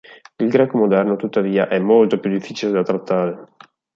Il greco moderno, tuttavia, è molto più difficile da trattare.